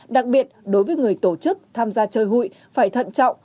đặc biệt đối với người tổ chức tham gia chơi hụi phải thận trọng